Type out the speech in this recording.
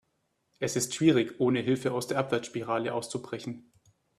Es ist schwierig, ohne Hilfe aus der Abwärtsspirale auszubrechen.